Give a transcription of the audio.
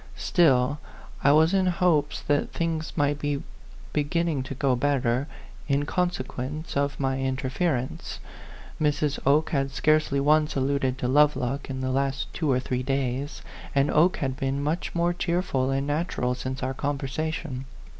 Still, I was in hopes that things might be beginning to go better, in consequence of my interference. Mrs. Oke had scarcely once alluded to Lovelock in the last two or three days ; and Oke had been much more cheer ful and natural since our conversation.